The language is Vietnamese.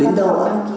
đến đâu ạ